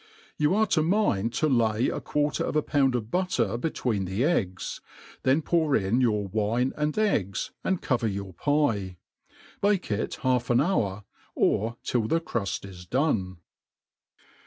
You are to mind to lay a quarter of a pound of butter between the eggs, then pour in your wine and eggs, and cover your pie. Bake it half an hour, or till the cruft is done.